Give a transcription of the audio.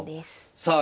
さあ